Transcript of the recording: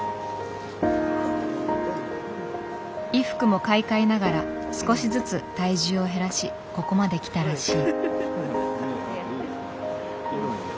衣服も買い替えながら少しずつ体重を減らしここまできたらしい。